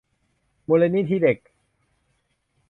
มูลนิธิเด็ก